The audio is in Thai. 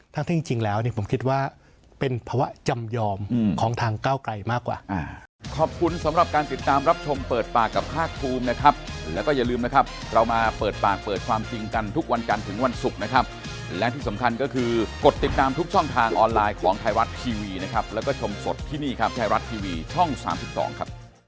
ทั้งที่จริงแล้วผมคิดว่าเป็นภาวะจำยอมของทางก้าวไกลมากกว่า